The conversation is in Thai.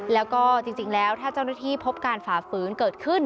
แล้วก็จริงแล้วถ้าเจ้าหน้าที่พบการฝ่าฝืนเกิดขึ้น